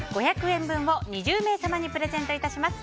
５００円分を２０名様にプレゼントいたします。